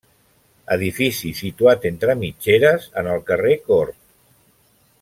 Edifici situat entre mitgeres en el carrer Cort.